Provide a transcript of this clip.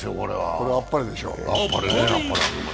これ、あっぱれでしょう。